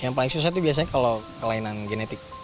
yang paling susah itu biasanya kalau kelainan genetik